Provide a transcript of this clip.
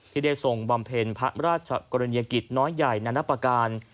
ที่ได้ทรงบำเพ็ญพระราชกรณียกิจน้อยใหญ่นานับประการ